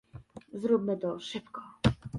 Zróbmy to szybko